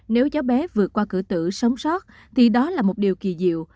nếu cháu bé vượt qua cửa tử sống sót thì đó là một điều kỳ diệu